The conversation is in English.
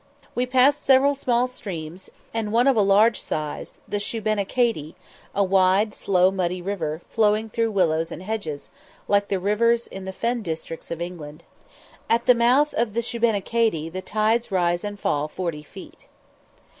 We passed several small streams, and one of a large size, the Shubenacadie, a wide, slow, muddy river, flowing through willows and hedges, like the rivers in the fen districts of England. At the mouth of the Shubenacadie the tides rise and fall forty feet.